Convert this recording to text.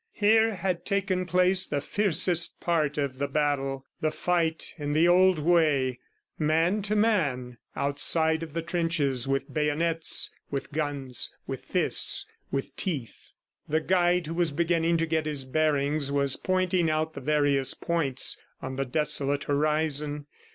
Here had taken place the fiercest part of the battle the fight in the old way, man to man outside of the trenches, with bayonets, with guns, with fists, with teeth. The guide who was beginning to get his bearings was pointing out the various points on the desolate horizon.